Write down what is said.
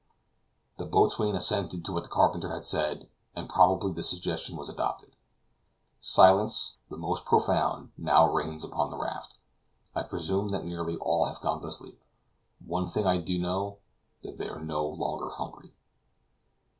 The boatswain assented to what the carpenter had said, and probably the suggestion was adopted. Silence, the most profound, now reigns upon the raft. I presume that nearly all have gone to sleep. One thing I do know, that they are no longer hungry.